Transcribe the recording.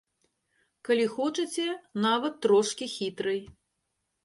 Калі хочаце, нават трошкі хітрай.